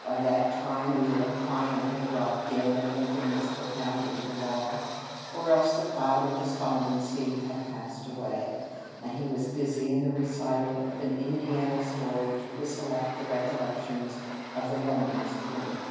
By that time either a client had dropped in and Lin coln was propounding the law, or else the cloud of despondency had passed away, and he was busy in the recital of an Indiana story to whistle ofi the recollections of the morning's gloom.